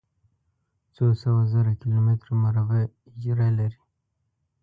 څو سوه زره کلومتره مربع اېجره لري.